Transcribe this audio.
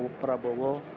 apakah pak prabowo